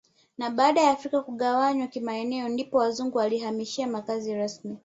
Na baada ya afrika kugawanywa kimaeneo ndipo wazungu walihamishia makazi rasmi